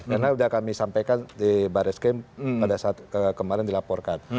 karena sudah kami sampaikan di baris km pada saat kemarin dilaporkan